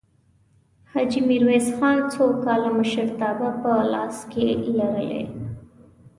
حاجي میرویس خان څو کاله مشرتابه په لاس کې لرلې؟